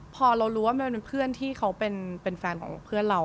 พอเรารู้ว่ามันเป็นเพื่อนที่เขาเป็นแฟนของเพื่อนเรา